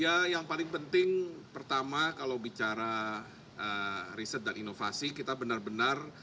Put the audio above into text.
ya yang paling penting pertama kalau bicara riset dan inovasi kita benar benar